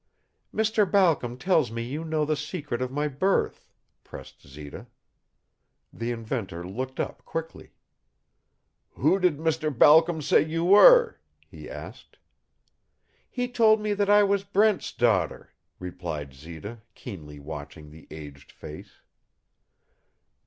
"Mr Balcom tells me that you know the secret of my birth," pressed Zita. The inventor looked up quickly. "Who did Mr. Balcom say you were?" he asked. "He told me that I was Brent's daughter," replied Zita, keenly watching the aged face.